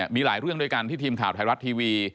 มีหลายเรื่องด้วยกันที่ทีมข่าวไทยรัฐทีวี